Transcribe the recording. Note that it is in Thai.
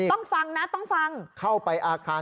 ต้องฟังนะต้องฟังเข้าไปอาคาร